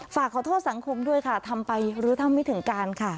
ฝากขอโทษสังคมด้วยค่ะทำไปรู้เท่าไม่ถึงการค่ะ